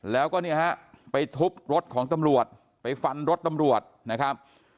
แล้วก็เนี่ยฮะไปทุบรถของตำรวจไปฟันรถตำรวจนะครับ